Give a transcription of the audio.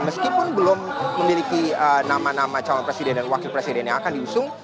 meskipun belum memiliki nama nama calon presiden dan wakil presiden yang akan diusung